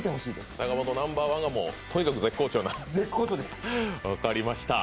坂本Ｎｏ．１が、とにかく絶好調な、分かりました。